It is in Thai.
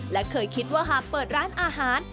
และเคยคิดว่าหากเปิดร้านอาหาร